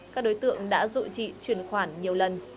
các đối tượng đã dụ chị truyền khoản nhiều lần